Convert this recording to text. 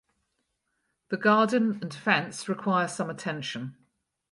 The garden and fence require some attention.